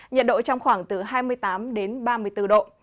nhiệt độ trong khoảng từ hai mươi tám đến ba mươi bốn độ